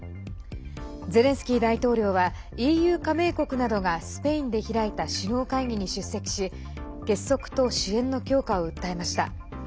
ゼレンスキー大統領はＥＵ加盟国などがスペインで開いた首脳会議に出席し結束と支援の強化を訴えました。